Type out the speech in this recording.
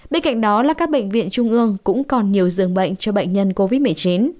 bên cạnh đó là các bệnh viện trung ương cũng còn nhiều dường bệnh cho bệnh nhân covid một mươi chín